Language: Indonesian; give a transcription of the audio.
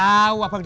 aku mau ke kantor